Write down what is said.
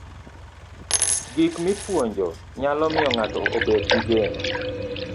Gik mipuonjo nyalo miyo ng'ato obed gi geno.